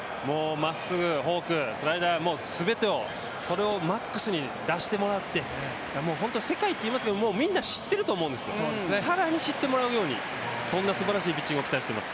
まっすぐ、フォーク、スライダー全てをマックスに出してもらって世界っていいますけどみんな知ってると思うんですよ、更に知ってもらうように、そんなすばらしいピッチングを期待しています。